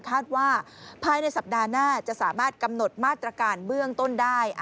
คาดว่าภายในสัปดาห์หน้าจะสามารถกำหนดมาตรการเบื้องต้นได้